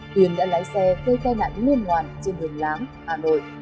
tuyên đã lái xe phê tai nạn liên hoàn trên đường lám hà nội